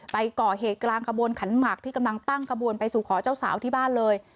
ไปก่อเหตุกลางขบวนขันหมักที่กำลังตั้งขบวนไปสู่ขอเจ้าสาวที่บ้านเลย